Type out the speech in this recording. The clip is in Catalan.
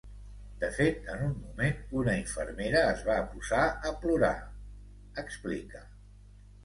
“De fet, en un moment, una infermera es va posar a plorar”, explica.